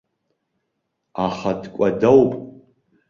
Аха дкәадоуп.